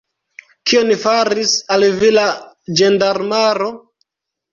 Kion faris al vi la ĝendarmaro?